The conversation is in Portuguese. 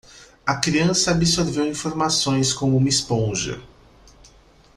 A criança absorveu informações como uma esponja.